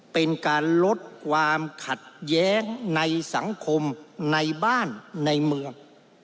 เป็นการลดความขัดแย้งในสังคมในบ้านในเมือง